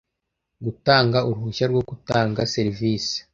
Gutanga Uruhushya Rwo Gutanga Serivisi